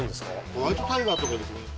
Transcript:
ホワイトタイガーとかいる。